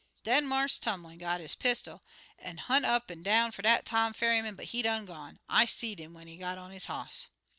Den Marse Tumlin got his pistol an' hunt up an' down fer dat ar Tom Ferryman, but he done gone. I seed 'im when he got on his hoss.